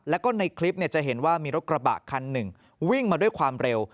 แล้วก็ในคลิปจะเห็นว่ามีรถกระบะคันหนึ่งวิ่งมาด้วยความเร็ว